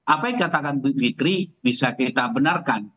apa yang katakan fitri bisa kita benarkan